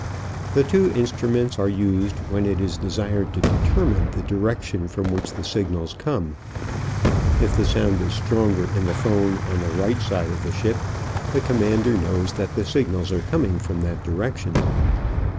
The two instruments are used when it is desired to determine the direction from which the signals come. If the sound is stronger in the 'phone on the right hand side of the ship the commander knows that the signals are coming from that direction.